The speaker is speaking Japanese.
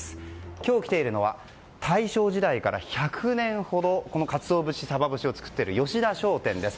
今日来ているのは大正時代から１００年ほどこのカツオ節、サバ節を作っている吉田商店です。